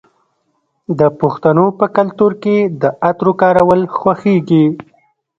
د پښتنو په کلتور کې د عطرو کارول خوښیږي.